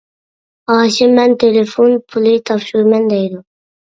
ھاشىم: مەن تېلېفون پۇلى تاپشۇرىمەن دەيدۇ.